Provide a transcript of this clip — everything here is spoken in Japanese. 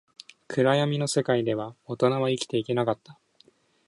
暗闇の世界では、大人は生きていけなかった